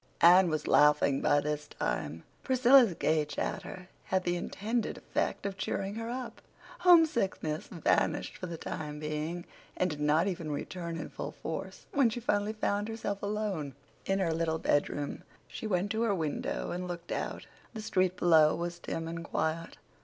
Anne was laughing by this time. Priscilla's gay chatter had the intended effect of cheering her up; homesickness vanished for the time being, and did not even return in full force when she finally found herself alone in her little bedroom. She went to her window and looked out. The street below was dim and quiet.